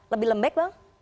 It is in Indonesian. lebih lembek bang